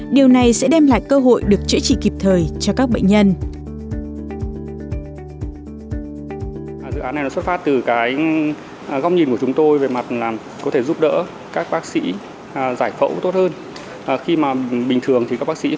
điều này sẽ đem lại cơ hội được chữa trị kịp thời